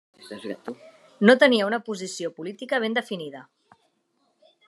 No tenia una posició política ben definida.